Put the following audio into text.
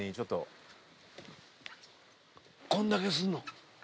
こんだけすんの？